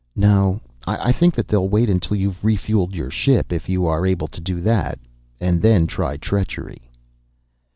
"No; I think that they'll wait until you've refueled your ship, if you are able to do that, and then try treachery."